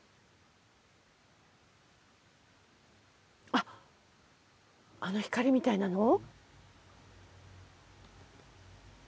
あの光みたいなの？